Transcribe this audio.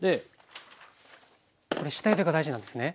下ゆでが大事なんですね？